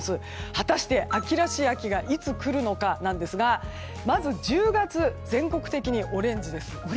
果たして、秋らしい秋がいつ来るのかなんですがまず１０月、全国的にオレンジです。